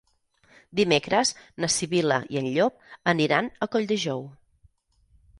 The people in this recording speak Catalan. Dimecres na Sibil·la i en Llop aniran a Colldejou.